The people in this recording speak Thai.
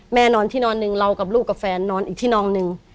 นอนที่นอนหนึ่งเรากับลูกกับแฟนนอนอีกที่นอนหนึ่ง